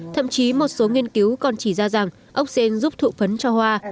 thậm chí một số nghiên cứu còn chỉ ra rằng ốc sen giúp thụ phấn cho hoa